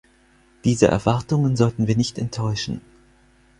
Diese Erwartungen sollten wir nicht enttäuschen.